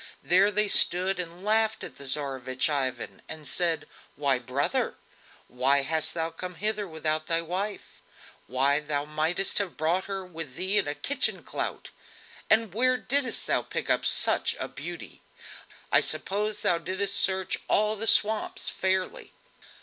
There they stood and laughed at the Tsarevich Ivan and said: "Why, brother! Why hast thou come hither without thy wife? Why, thou mightest have brought her with thee in a kitchen clout. And where didst thou pick up such a beauty? I suppose thou didst search through all the swamps fairly?"